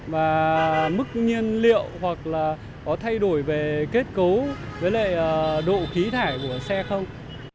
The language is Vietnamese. và mức nhiên liệu hoặc là có thay đổi về kết cấu với lại độ khí thải của xe không